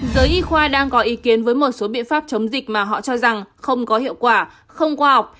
giới y khoa đang có ý kiến với một số biện pháp chống dịch mà họ cho rằng không có hiệu quả không khoa học